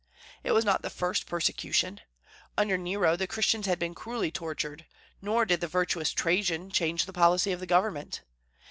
It was not the first persecution. Under Nero the Christians had been cruelly tortured, nor did the virtuous Trajan change the policy of the government.